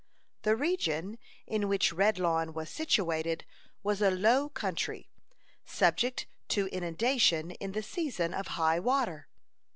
The region in which Redlawn was situated was a low country, subject to inundation in the season of high water.